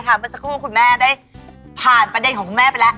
นะคะมันจะคู่คุณแม่ได้ผ่านประเด็นของคุณแม่ไปแล้ว